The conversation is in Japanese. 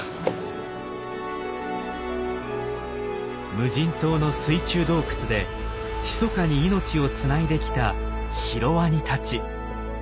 無人島の水中洞窟でひそかに命をつないできたシロワニたち。